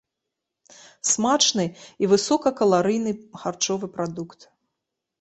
Смачны і высокакаларыйны харчовы прадукт.